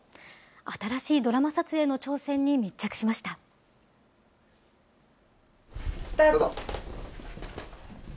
新しいドラマ撮影の挑戦に密着しスタート。